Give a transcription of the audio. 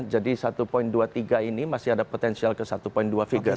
jadi satu dua puluh tiga ini masih ada potential ke satu dua figure